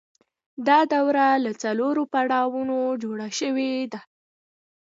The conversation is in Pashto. دا دوره له څلورو پړاوونو جوړه شوې ده